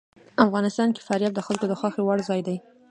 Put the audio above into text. افغانستان کې فاریاب د خلکو د خوښې وړ ځای دی.